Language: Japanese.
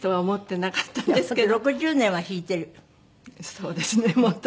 そうですね。